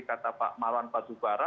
kata pak marwan pak zubara